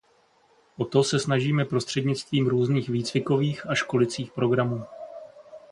O to se snažíme prostřednictvím různých výcvikových a školicích programů.